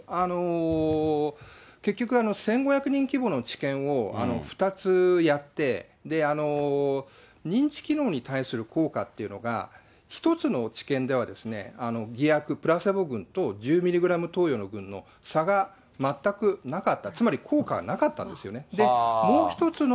結局、１５００人規模の治験を２つやって、認知機能に対する効果っていうのが、１つの治験では偽薬プラセド群の１０ミリグラム投与の差が全くなかった、つまり効果はなかったんですね。